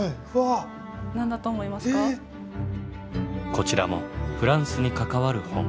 こちらもフランスに関わる本。